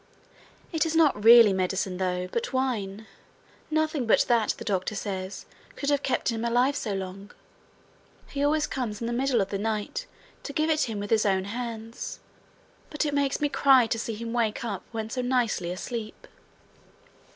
It is not really medicine, though, but wine. Nothing but that, the doctor says, could have kept him so long alive. He always comes in the middle of the night to give it him with his own hands. But it makes me cry to see him wake up when so nicely asleep.'